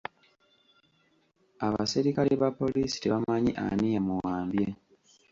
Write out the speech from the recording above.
Abaserikale ba poliisi tebamanyi ani yamuwambye.